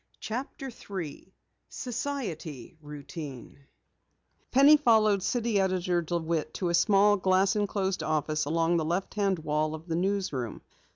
CHAPTER 3 SOCIETY ROUTINE Penny followed City Editor DeWitt to a small, glass enclosed office along the left hand wall of the newsroom.